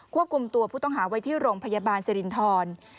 ควบคุมตัวผู้ต้องหาไว้ที่โรงพยาบาลสิรินทร